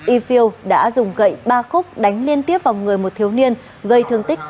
y phil đã dùng gậy ba khúc đánh liên tiếp vào người một thiếu niên gây thương tích